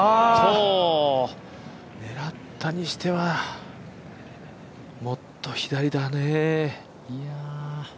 狙ったにしてはもっと左だね。